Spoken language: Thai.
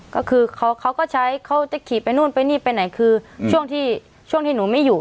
ก็คือเขาก็ใช้เขาจะขี่ไปนู่นไปนี่ไปไหนคือช่วงที่ช่วงที่หนูไม่อยู่